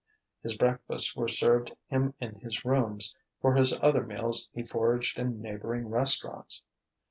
His breakfasts were served him in his rooms; for his other meals he foraged in neighbouring restaurants.